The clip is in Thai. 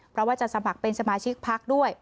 เพราะว่าจะสมัครเป็นสมาชิกพักด้วย